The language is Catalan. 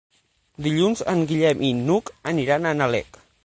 Dilluns en Guillem i n'Hug aniran a Nalec.